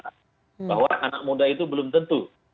bahwa anak muda itu belum tentu